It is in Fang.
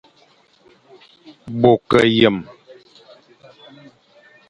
Bo ke yeme,